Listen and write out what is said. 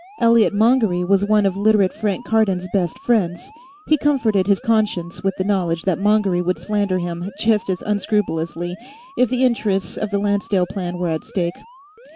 Elliot Mongery was one of Literate Frank Cardon's best friends; he comforted his conscience with the knowledge that Mongery would slander him just as unscrupulously, if the interests of the Lancedale Plan were at stake.